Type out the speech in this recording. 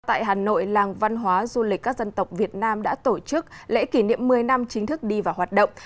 tại hà nội làng văn hóa du lịch các dân tộc việt nam đã tổ chức lễ kỷ niệm một mươi năm chính thức đi vào hoạt động